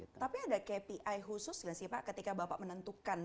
tapi ada kpi khusus nggak sih pak ketika bapak menentukan